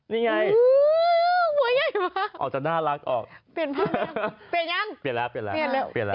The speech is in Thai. นี่ไงเอาจากน่ารักออกเปลี่ยนภาพแล้วเปลี่ยนยังเปลี่ยนแล้ว